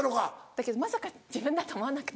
だけどまさか自分だと思わなくて。